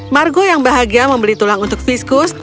margo yang bahagia membeli tulang untuk viskus